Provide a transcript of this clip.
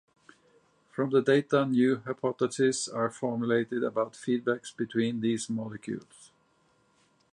From the data new hypotheses are formulated about feedbacks between these molecules.